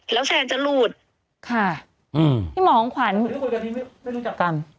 แล้วแฟนจะหลุดค่ะพี่หมองขวัญไม่รู้จักกัน